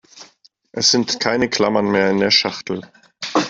Es sind keine Klammern mehr in der Schachtel.